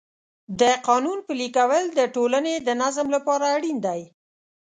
د قانون پلي کول د ټولنې د نظم لپاره اړین دی.